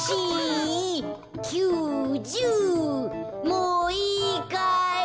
もういいかい？